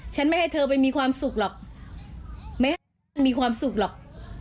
ไม่ให้เธอไปมีความสุขหรอกไม่ให้มีความสุขหรอก